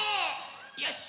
よし！